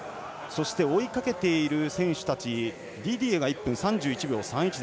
そして、追いかけている選手たちディディエが１分３１秒３１。